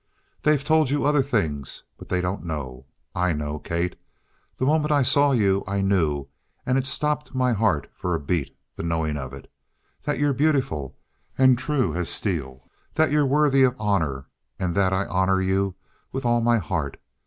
"They've told you other things, but they don't know. I know, Kate. The moment I saw you I knew, and it stopped my heart for a beat the knowing of it. That you're beautiful and true as steel; that you're worthy of honor and that I honor you with all my heart.